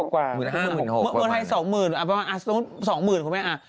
๑๕๐๐๐กว่ากว่า